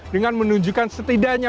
dengan menunjukkan setidaknya